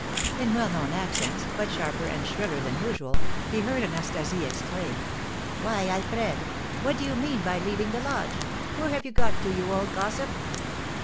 In well known accents, but sharper and shriller than usual, he heard Anastasie exclaim: "Why, Alfred! What do you mean by leaving the lodge? Where have you got to, you old gossip?"